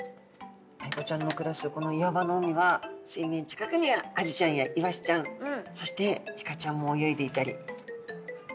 アイゴちゃんの暮らすこの岩場の海は水面近くにはアジちゃんやイワシちゃんそしてイカちゃんも泳いでいたり。